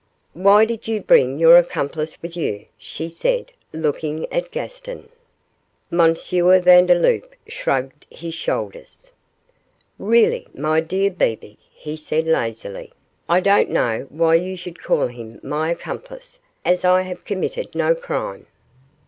'Why did you bring your accomplice with you?' she said, looking at Gaston. M. Vandeloup shrugged his shoulders. 'Really, my dear Bebe,' he said, lazily, 'I don't know why you should call him my accomplice, as I have committed no crime.